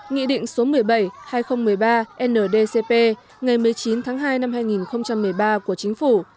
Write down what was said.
nghị định số một mươi bảy hai nghìn một mươi ba ndcp ngày một mươi chín tháng hai năm hai nghìn một mươi ba của chính phủ